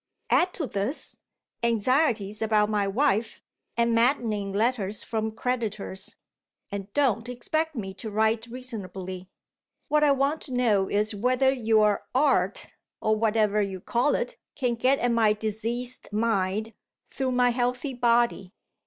Add to this, anxieties about my wife, and maddening letters from creditors and don't expect me to write reasonably. What I want to know is whether your art (or whatever you call it) can get at my diseased mind, through my healthy body.